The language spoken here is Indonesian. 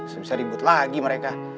bisa ribut lagi mereka